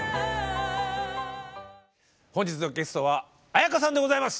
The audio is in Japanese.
本日のゲストは絢香さんでございます。